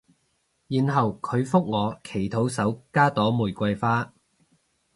然後佢覆我祈禱手加朵玫瑰花